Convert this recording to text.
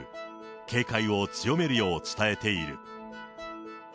警戒を強めるよう伝えている。